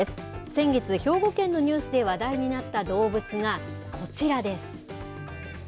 先月、兵庫県のニュースで話題になった動物がこちらです。